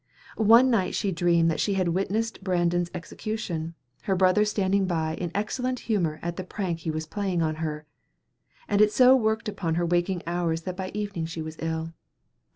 One night she dreamed that she had witnessed Brandon's execution, her brother standing by in excellent humor at the prank he was playing her, and it so worked upon her waking hours that by evening she was ill.